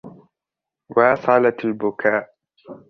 واصلَت البكاء.